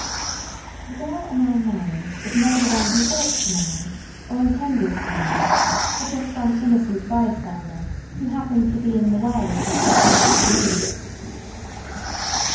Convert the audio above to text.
The girl a man marries is never the one he ought to marry or intended to marry, but just some "innocent bystander" who happened to be in the way at the psychological moment.